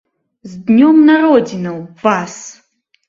З днём народзінаў, вас!